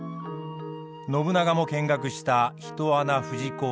信長も見学した人穴富士講遺跡。